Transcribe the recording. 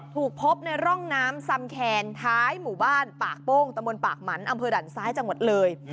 ถูกพบในร่องน้ำซำแคนท้ายหมู่บ้านปากโป้งตะบนปากหมันอำเภอด่านซ้ายจังหวัดเลย